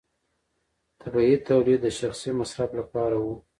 طبیعي تولید د شخصي مصرف لپاره و.